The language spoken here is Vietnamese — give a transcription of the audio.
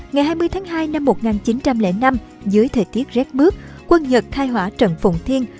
ngày hai mươi tháng hai năm một nghìn chín trăm linh năm dưới thời tiết rét bước quân nhật khai hỏa trận phụng thiên